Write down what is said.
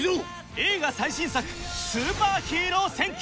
映画最新作『スーパーヒーロー戦記』